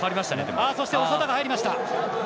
そして、長田が入りました。